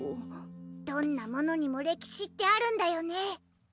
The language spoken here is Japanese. どんなものにも歴史ってあるんだよね